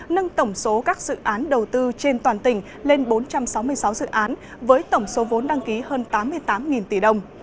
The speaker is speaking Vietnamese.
nâng tổng số các dự án đầu tư trên toàn tỉnh lên bốn trăm sáu mươi sáu dự án với tổng số vốn đăng ký hơn tám mươi tám tỷ đồng